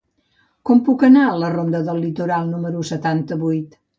Com puc anar a la ronda del Litoral número setanta-vuit?